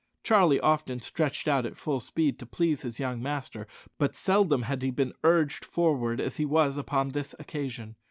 Charlie often stretched out at full speed to please his young master, but seldom had he been urged forward as he was upon this occasion.